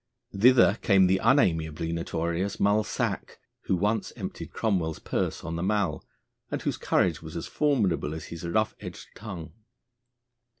Thither came the unamiably notorious Mull Sack, who once emptied Cromwell's pocket on the Mall, and whose courage was as formidable as his rough edged tongue.